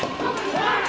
おい！